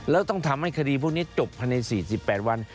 แล้วต้องทำให้คดีพวกนี้จบภายใน๔๘วัน